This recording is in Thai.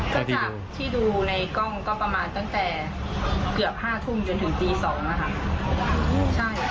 ก็ที่ดูที่ดูในกล้องก็ประมาณตั้งแต่เกือบห้าทุ่มจนถึงตีสองนะคะอื้อใช่